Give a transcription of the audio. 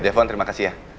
devon terima kasih ya